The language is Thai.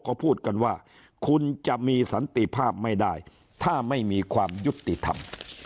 ก็พูดกันว่าคุณจะมีสันติภาพไม่ได้ถ้าไม่มีความยุติธรรม